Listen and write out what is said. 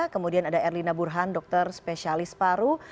kemudian ada erlina burhan dokter spesialis paru